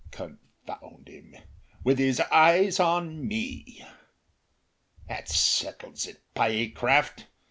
Confound him! with his eyes on me! That settles it, Pyecraft!